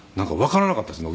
なんかわからなかったですね。